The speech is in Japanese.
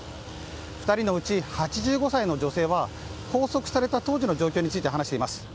２人のうち８５歳の女性は拘束された当時の状況について話しています。